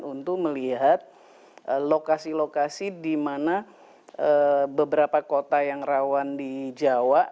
untuk melihat lokasi lokasi di mana beberapa kota yang rawan di jawa